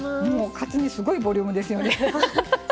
カツ煮すごいボリュームですよね。